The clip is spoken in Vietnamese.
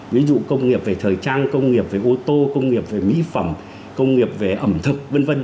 ví dụ công nghiệp về thời trang công nghiệp về ô tô công nghiệp về mỹ phẩm công nghiệp về ẩm thực v v